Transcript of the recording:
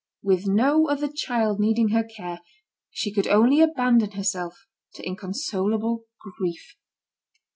With no other child needing her care, she could only abandon herself to inconsolable grief.